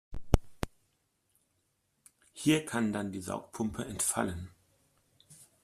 Hier kann dann die Saugpumpe entfallen.